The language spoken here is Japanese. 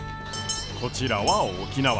こちらは沖縄。